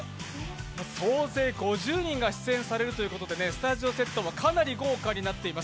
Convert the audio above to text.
総勢５０人が出演されるということで、スタジオセットもかなり豪華になっています。